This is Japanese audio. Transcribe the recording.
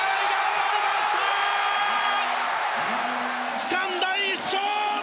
つかんだ１勝！